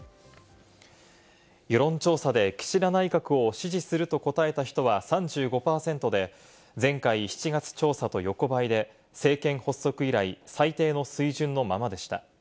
世論調査で岸田内閣を支持すると答えた人は３５％で、前回７月調査と横ばいで、政権発足以来、最低の水準のままでした。